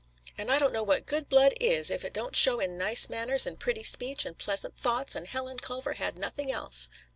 And I don't know what good blood is if it don't show in nice manners and pretty speech and pleasant thoughts and Helen Culver had nothing else.